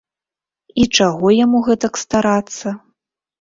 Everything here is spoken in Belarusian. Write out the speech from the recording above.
І чаго яму гэтак старацца?